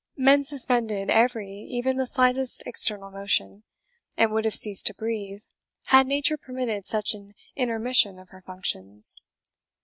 Men suspended every, even the slightest external motion, and would have ceased to breathe, had Nature permitted such an intermission of her functions.